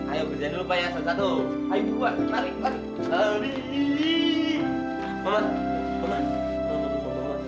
ayo kerjain dulu pak satu satu